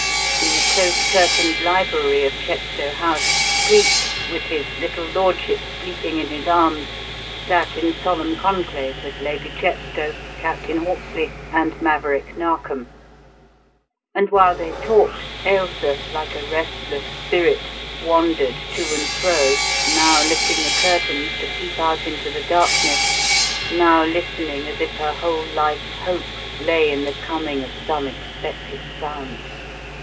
In the close curtained library of Chepstow House, Cleek, with his little lordship sleeping in his arms, sat in solemn conclave with Lady Chepstow, Captain Hawksley, and Maverick Narkom; and while they talked, Ailsa, like a restless spirit, wandered to and fro, now lifting the curtains to peep out into the darkness, now listening as if her whole life's hope lay in the coming of some expected sound.